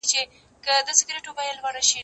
زه کولای سم کتابونه وليکم؟!؟!